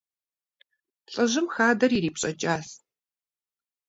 Лӏыжьым хадэр ирипщӏэкӏащ.